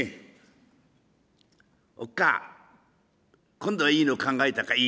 「今度はいいの考えたかい」。